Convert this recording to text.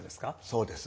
そうです。